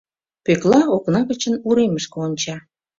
Пӧкла окна гычын уремышке онча.